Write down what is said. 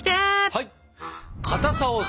はい！